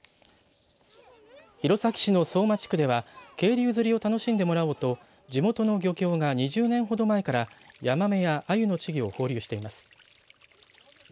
弘前市の相馬地区では渓流釣りを楽しんでもらおうと地元の漁協が２０年ほど前からヤマメやアユの稚魚を放流しています。